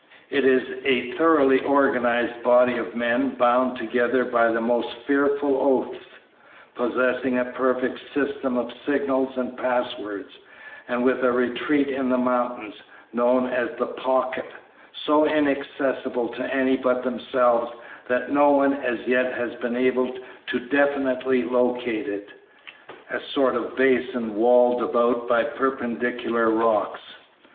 It is a thoroughly organized body of men, bound together by the most fearful oaths, possessing a perfect system of signals and passwords, and with a retreat in the mountains, known as the 'Pocket,' so inaccessible to any but themselves that no one as yet has been able even to definitely locate it a sort of basin walled about by perpendicular rocks.